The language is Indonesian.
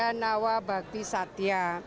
ada nawa bakti satya